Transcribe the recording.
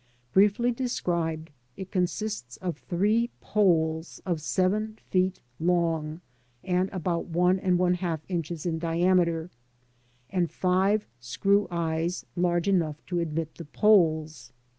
Briefly described, it consists of three poles of seven feet long and about li inches in diameter, and five screw eyes large enough to admit the poles.